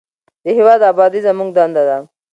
د هیواد ابادي زموږ دنده ده